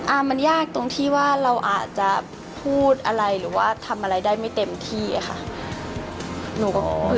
มันยากตรงที่ว่าเราอาจจะพูดอะไรหรือว่าทำอะไรได้ไม่เต็มที่อะค่ะ